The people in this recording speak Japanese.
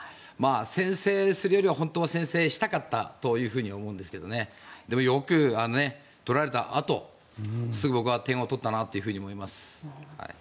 先制するよりは本当は先制したかったんだと思いますがでもよく、取られたあとすぐ点を取ったなと思います。